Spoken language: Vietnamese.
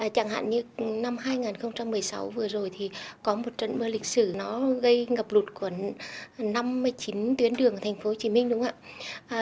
chẳng hạn như năm hai nghìn một mươi sáu vừa rồi thì có một trận mưa lịch sử nó gây ngập lụt của năm mươi chín tuyến đường ở thành phố hồ chí minh đúng không ạ